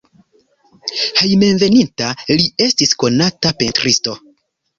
Hejmenveninta li estis konata pentristo.